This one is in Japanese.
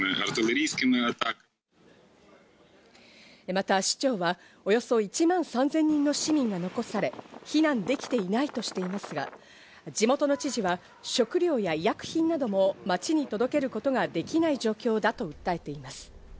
また市長は、およそ１万３０００人の市民が残され避難できていないとしていますが、地元の知事は食料や医薬品なども街に届けることができない状況だと訴えています。